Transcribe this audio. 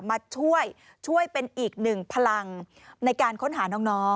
มาช่วยช่วยเป็นอีกหนึ่งพลังในการค้นหาน้อง